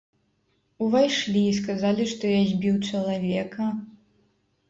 Увайшлі, сказалі, што я збіў чалавека.